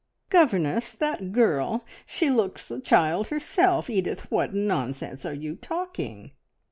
"Governess! That girl! She looks a child herself. Edith, what nonsense are you talking?"